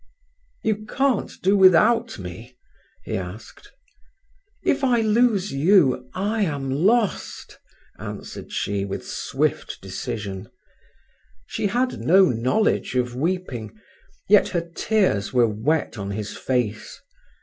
"You can't do without me?" he asked. "If I lose you I am lost," answered she with swift decision. She had no knowledge of weeping, yet her tears were wet on his face.